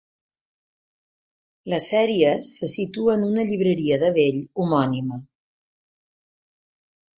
La sèrie se situa en una llibreria de vell homònima.